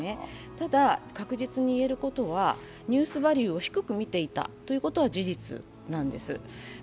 ただ、確実に言えることはニュースバリューを低く見ていたことは事実なんです。